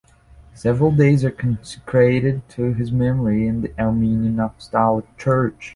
Several days are consecrated to his memory in the Armenian Apostolic Church.